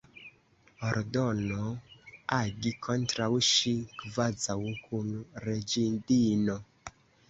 Ordono, agi kontraŭ ŝi, kvazaŭ kun reĝidino.